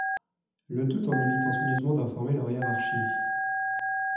Le tout en évitant soigneusement d'informer leur hiérarchie.